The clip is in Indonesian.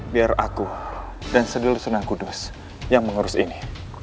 biar aku dan sedulur sunan kudus yang mengurus ini